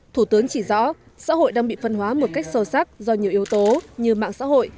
thủ tướng chỉ rõ xã hội đang bị phân hóa một cách sâu sắc do nhiều yếu tố như mạng xã hội